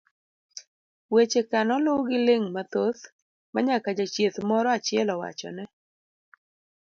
weche ka noluw gi ling' mathoth ma nyaka jachieth moro achiel owachone